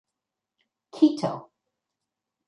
Quito.